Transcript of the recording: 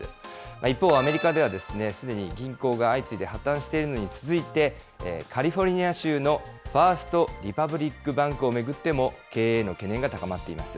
一方、アメリカではすでに銀行が相次いで破綻しているのに続いて、カリフォルニア州のファースト・リパブリック・バンクを巡っても、経営への懸念が高まっています。